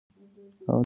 هغه توازن ساتي.